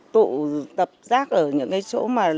tụ tập rác ở những chỗ mà không có vệ sinh